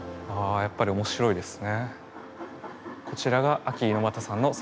やっぱり面白いですね。